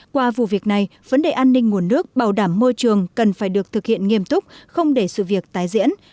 qua vụ việc này vấn đề an ninh nguồn nước bảo đảm môi trường cần phải được thực hiện nghiêm túc không để sự việc tái diễn